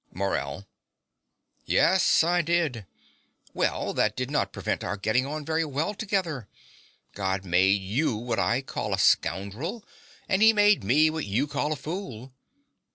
MORELL. Yes, I did. Well, that did not prevent our getting on very well together. God made you what I call a scoundrel as he made me what you call a fool.